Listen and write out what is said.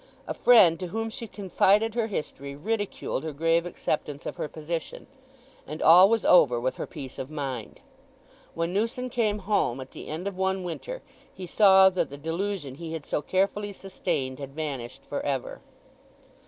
A friend to whom she confided her history ridiculed her grave acceptance of her position; and all was over with her peace of mind. When Newson came home at the end of one winter he saw that the delusion he had so carefully sustained had vanished for ever.